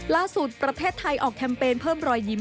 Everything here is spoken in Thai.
ประเทศไทยออกแคมเปญเพิ่มรอยยิ้ม